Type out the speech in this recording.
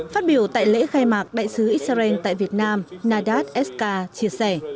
phát biểu tại lễ khai mạc đại sứ israel tại việt nam nadat eska chia sẻ